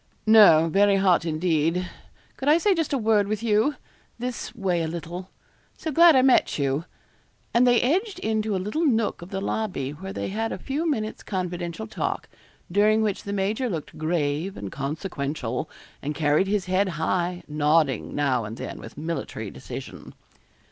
'No; very hot, indeed. Could I say just a word with you this way a little. So glad I met you.' And they edged into a little nook of the lobby, where they had a few minutes' confidential talk, during which the major looked grave and consequential, and carried his head high, nodding now and then with military decision.